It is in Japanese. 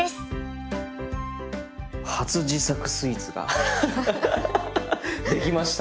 初自作スイーツができました。